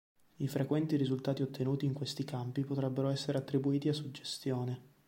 I frequenti risultati ottenuti in questi campi potrebbero essere attribuiti a suggestione.